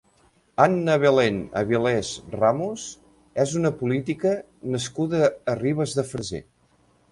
Anna Belén Avilés Ramos és una política nascuda a Ribes de Freser.